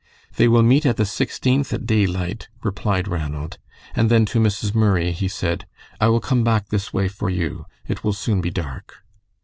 "They will meet at the Sixteenth at daylight," replied Ranald; and then to Mrs. Murray he said, "I will come back this way for you. It will soon be dark."